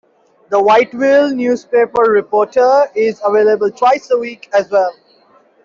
The "Whiteville News Reporter" is available twice a week as well.